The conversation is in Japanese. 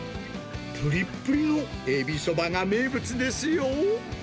ぷりっぷりのエビそばが名物ですよ。